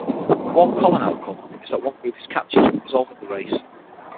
One common outcome is that one group is captured, resolving the race.